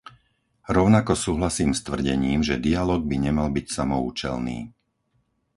Rovnako súhlasím s tvrdením, že dialóg by nemal byť samoúčelný.